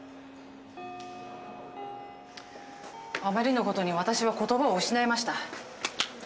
あまりの事に私は言葉を失いました。